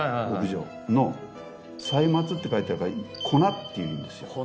「細末」って書いてあるから粉っていう意味ですよ。